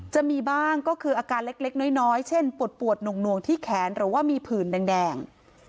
จะมีบ้างก็คืออาการเล็กน้อยเช่นปวดหน่วงที่แขนหรือว่ามีผื่นแดง